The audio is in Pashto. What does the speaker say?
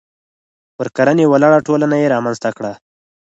پر کرنې ولاړه ټولنه یې رامنځته کړه.